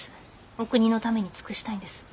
お国のために尽くしたいんです。